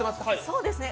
そうですね。